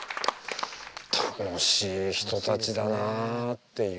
楽しい人たちだなっていう。